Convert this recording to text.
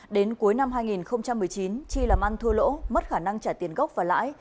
đến cuối năm hai nghìn một mươi chín chi làm ăn thua lỗ mất khả năng trả tiền gốc và lãi